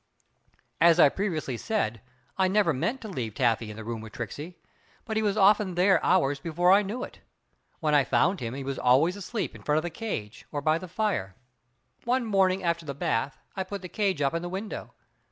As I previously said I never meant to leave Taffy in the room with Tricksey, but he was often there hours before I knew it. When I found him he was always asleep in front of the cage or by the fire. One morning after the bath I put the cage up in the window.